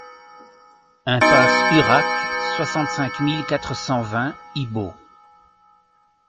Impasse Urac, soixante-cinq mille quatre cent vingt Ibos